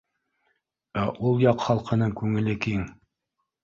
Ә ул яҡ халҡының күңеле киң